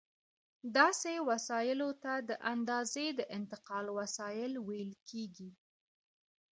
داسې وسایلو ته د اندازې د انتقال وسایل ویل کېږي.